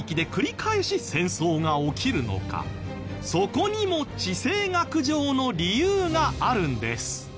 そこにも地政学上の理由があるんです。